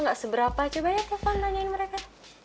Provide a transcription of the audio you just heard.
ga seberapa coba ya telfon tanyain mereka